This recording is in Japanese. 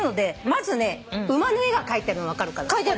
まずね馬の絵が描いてあるの分かるかな。